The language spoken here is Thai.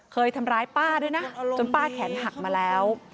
เคยทำร้ายป้าด้วยนะจนป้าแขนหักมาแล้ว